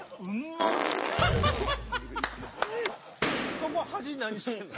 そこ端何してんの？